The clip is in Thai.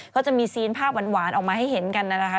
ก็จะมีซีนภาพหวานออกมาให้เห็นกันนั่นแหละค่ะ